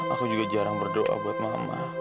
aku juga jarang berdoa buat mama